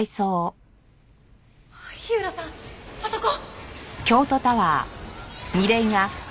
火浦さんあそこ！